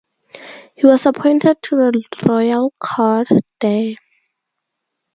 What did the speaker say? He was appointed to the royal court there.